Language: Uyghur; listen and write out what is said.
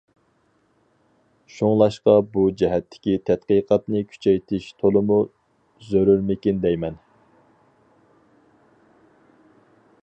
شۇڭلاشقا بۇ جەھەتتىكى تەتقىقاتنى كۈچەيتىش تولىمۇ زۆرۈرمىكىن دەيمەن.